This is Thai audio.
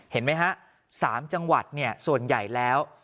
เห็นไหมฮะ๓จังหวัดส่วนใหญ่แล้ว